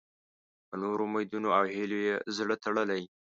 په نورو امیدونو او هیلو یې زړه تړلی.